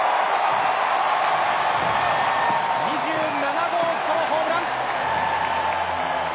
２７号ソロホームラン！